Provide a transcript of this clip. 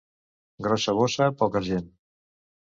Grossa bossa, poc argent.